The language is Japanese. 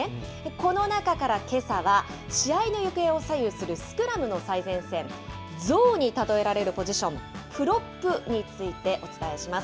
この中からけさは、試合の行方を左右するスクラムの最前線、ゾウに例えられるポジション、プロップについてお伝えします。